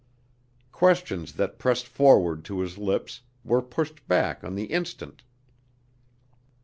Questions that pressed forward to his lips were pushed back on the instant.